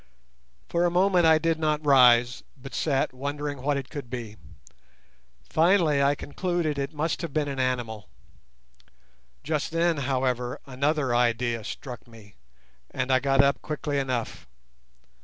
For a moment I did not rise, but sat wondering what it could be. Finally, I concluded it must have been an animal. Just then, however, another idea struck me, and I got up quick enough.